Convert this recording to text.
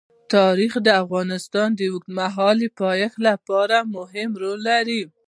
تاریخ د افغانستان د اوږدمهاله پایښت لپاره مهم رول لري.